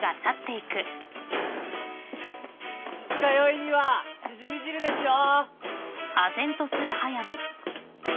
二日酔いにはしじみ汁ですよ！